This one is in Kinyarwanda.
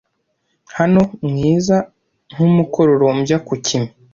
Hano, mwiza nkumukororombya ku kime